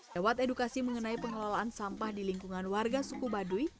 lewat edukasi mengenai pengelolaan sampah di lingkungan warga suku baduy